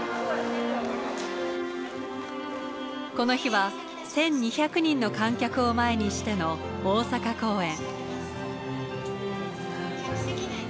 この日は１，２００人の観客を前にしての大阪公演。